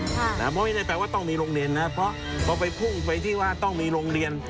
เพราะไม่ได้แปลว่าต้องมีโรงเรียนนะเพราะพอไปพุ่งไปที่ว่าต้องมีโรงเรียน